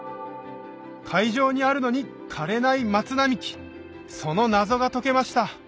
海上にあるのに枯れない松並木その謎が解けました